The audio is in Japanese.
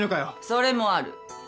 それもある。